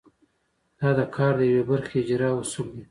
دا د کار د یوې برخې اجرا اصول دي.